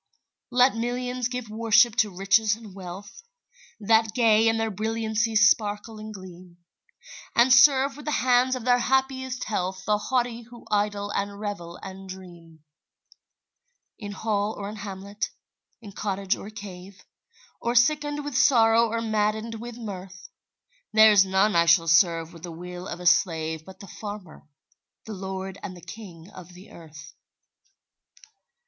Let millions give worship to riches and wealth, That gay in their brilliancy sparkle and gleam, And serve with the hands of their happiest health The haughty who idle and revel and dream; In hall or in hamlet, in cottage or cave, Or sickened with sorrow or maddened with mirth, There's none I shall serve with the will of a slave But the farmer, the lord and the king of the earth.